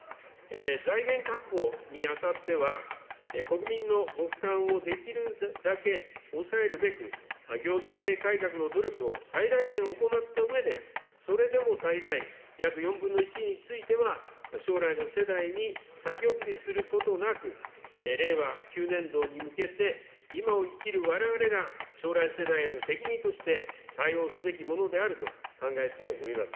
財源確保にあたっては、国民のご負担をできるだけ抑えるべく、行財政改革の努力を最大限行ったうえで、それでも足りない約４分の１については、将来の世代に先送りすることなく、令和９年度に向けて、今を生きるわれわれが将来世代への責任として、対応すべきものであると考えております。